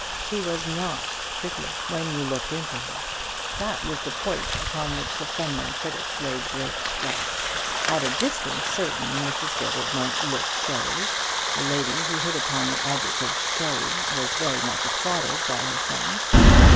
She was not pretty when you looked into her. That was the point upon which the feminine critics laid great stress. At a distance, certainly, Mrs. Gilbert might look showy. The lady who hit upon the adjective "showy" was very much applauded by her friends.